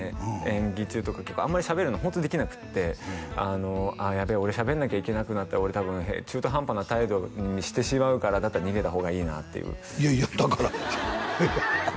演技中とか結構あんまりしゃべるのできなくってやべえ俺しゃべんなきゃいけなくなったら俺多分中途半端な態度にしてしまうからだったら逃げた方がいいなっていういやいやだからハハハ